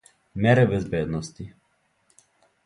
Мере безбедности.